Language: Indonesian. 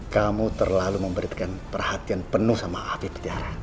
kamu terlalu memberikan perhatian penuh sama afif tiara